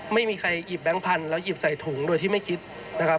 ไม่มีใครหยิบแบงค์พันธุ์แล้วหยิบใส่ถุงโดยที่ไม่คิดนะครับ